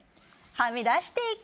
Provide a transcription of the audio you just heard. はみ出していく。